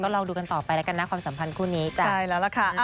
ลองดูกันต่อไปแล้วกันนะความสัมพันธ์คู่นี้จ้ะใช่แล้วล่ะค่ะ